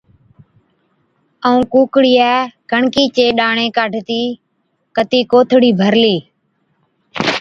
ائُون ڪُوڪڙِيئَي ڪڻڪِي چي ڏاڻي ڪاڍتِي ڪتِي ڪوٿڙِي ڀرلِي۔